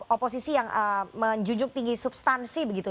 oposisi yang menjujung tinggi substansi begitu